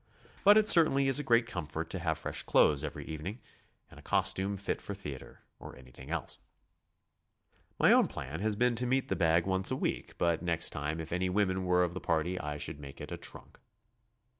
But it certainly is a great comfort to have fresh clothes every evening, and a costume fit for theatre or anything else. My own plan has been to meet the bag once a week, but next time if any women were of the party, I should make it a trunk.